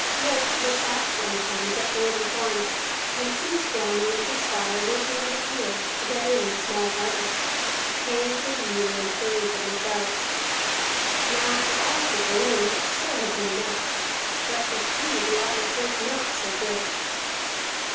Rolf looks out sometimes at the little farm, and sees Grani and his father working in the field to get in the small harvest, hay for the ewe and grain for themselves. Now for Asdis alone that store had been enough, but for three the outlook was not so good.